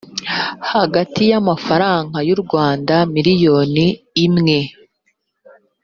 hagati y amafaranga y u rwanda miliyoni imwe